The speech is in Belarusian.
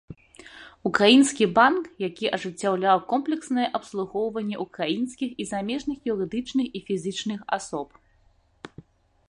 Украінскі банк, які ажыццяўляў комплекснае абслугоўванне украінскіх і замежных юрыдычных і фізічных асоб.